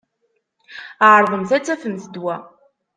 Ɛeṛḍemt ad tafemt ddwa.